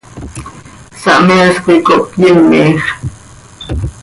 Sahmees coi cohpyimix.